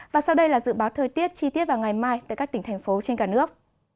và sau đây là dự báo thời tiết chi tiết vào ngày mai tại các tỉnh thành phố trên cả nước